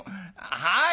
はい！